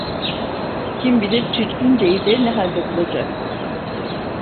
Kim bilir Çirkince'yi de ne halde bulacaktım.